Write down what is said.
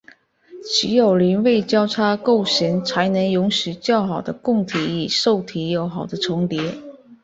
只有邻位交叉构型才能允许较好的供体与受体有好的重叠。